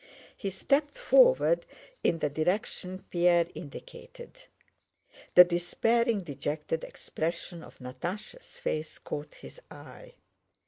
He stepped forward in the direction Pierre indicated. The despairing, dejected expression of Natásha's face caught his eye.